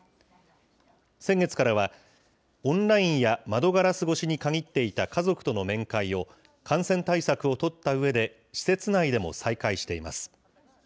先月からは、オンラインや窓ガラス越しに限っていた家族との面会を、感染対策を取ったうえで、施設内でも再開しています。